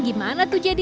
gimana tuh jadi